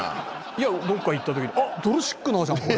いやどっか行った時に「あっドルシックナーじゃんこれ」。